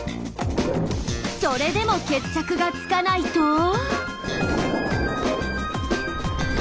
それでも決着がつかないと。